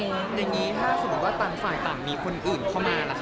อย่างนี้ถ้าสมมุติว่าต่างฝ่ายต่างมีคนอื่นเข้ามาล่ะคะ